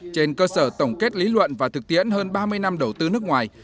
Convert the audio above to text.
trên cơ sở tổng kết lý luận và thực tiễn hơn ba mươi năm đầu tư nước ngoài